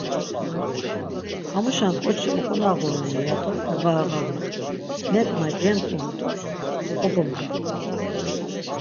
Hamuşen ǩoçi oǩonağurun-i ya do uğarğalu, neǩna genǩolu do kogomaxtu.